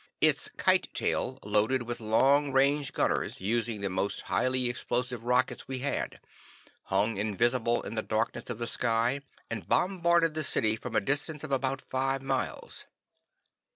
Its "kite tail" loaded with long range gunners, using the most highly explosive rockets we had, hung invisible in the darkness of the sky and bombarded the city from a distance of about five miles.